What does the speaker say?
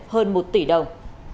hơn một tỷ đồng